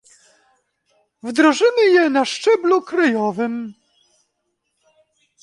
Wdrożymy je na szczeblu krajowym